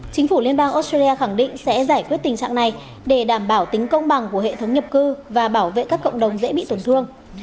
chính phủ liên bang australia khẳng định sẽ giải quyết tình trạng này để đảm bảo tính công bằng của hệ thống nhập cư và bảo vệ các cộng đồng dễ bị tổn thương